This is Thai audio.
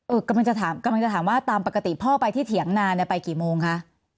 กำลังจะถามกำลังจะถามว่าตามปกติพ่อไปที่เถียงนาเนี่ยไปกี่โมงคะ